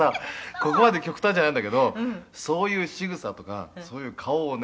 ここまで極端じゃないんだけどそういうしぐさとかそういう顔をね